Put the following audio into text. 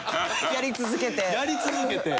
やり続けて。